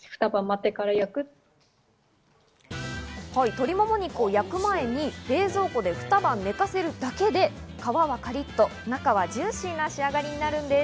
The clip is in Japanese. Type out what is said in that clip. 鶏もも肉を焼く前に冷蔵庫で二晩寝かせるだけで皮はカリっと中はジューシーな仕上がりになるんです。